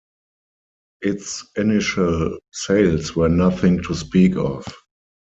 Its initial sales were nothing to speak of.